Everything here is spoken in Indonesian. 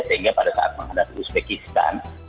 sehingga pada saat menghadapi uzbekistan